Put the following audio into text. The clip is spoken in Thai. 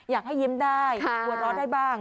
อยากให้ยิ้มได้กลัวร้อนได้บ้าง